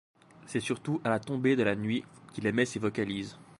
C’est surtout à la tombée de la nuit qu’il émet ses vocalises.